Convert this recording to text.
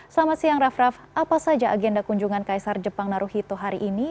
selamat siang raff raff apa saja agenda kunjungan kaisar jepang naruhito hari ini